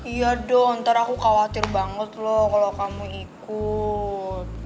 iya dong ntar aku khawatir banget loh kalau kamu ikut